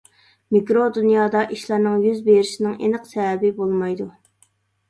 مىكرو دۇنيادا، ئىشلارنىڭ يۈز بېرىشىنىڭ ئېنىق سەۋەبى بولمايدۇ.